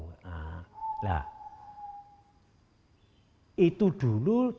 nah itu dulu